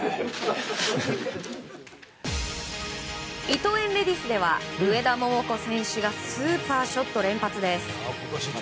伊藤園レディスでは上田桃子選手がスーパーショット連発です！